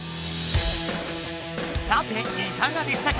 さていかがでしたか？